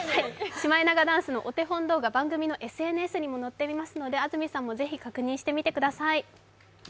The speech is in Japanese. シマエナガダンスのお手本動画番組のＳＮＳにものっておりますので、安住さんもぜひ確認してみてください。